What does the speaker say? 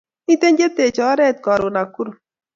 Miten che tech oret karun Nakuru